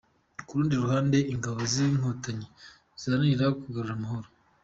Ku rundi ruhande ingabo z’Inkotanyi ziharanira kugarura amahoro.